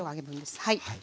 はい。